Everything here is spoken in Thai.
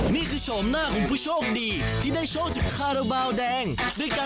เดึนแล้วต้องไปทั้งหมด๑ฝาค่ะ